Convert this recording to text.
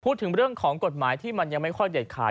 พูดถึงเรื่องของกฎหมายที่มันยังไม่ค่อยเด็ดขาด